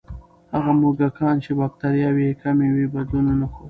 هغه موږکان چې بکتریاوې یې کمې وې، بدلون ونه ښود.